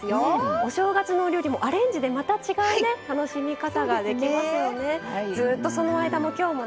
お正月のお料理もアレンジでまた違う楽しみ方ができますよね。